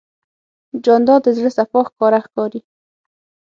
جانداد د زړه صفا ښکاره ښکاري.